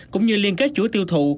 cũng như liên kết chúa tiêu thụ